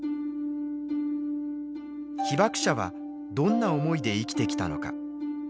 被爆者はどんな思いで生きてきたのか。